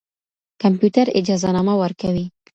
کمپيوټر اجازهنامه ورکوي.